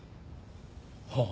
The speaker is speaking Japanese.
はあ。